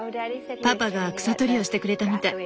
パパが草取りをしてくれたみたい。